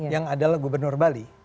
yang adalah gubernur bali